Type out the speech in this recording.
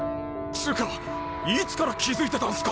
つうかいつから気付いてたんすか。